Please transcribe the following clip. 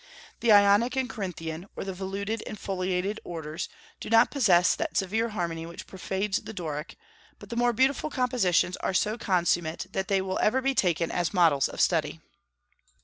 The Ionic and Corinthian, or the voluted and foliated orders, do not possess that severe harmony which pervades the Doric; but the more beautiful compositions are so consummate that they will ever be taken as models of study.